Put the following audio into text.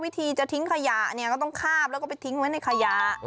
วิธีจะทิ้งขยะเนี่ยก็ก็ต้องนวงให้ทิ้งไว้ในขยะ